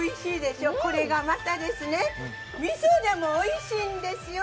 これがまたみそでもおいしいんですよ！